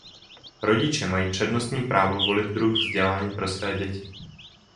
Rodiče mají přednostní právo volit druh vzdělání pro své děti.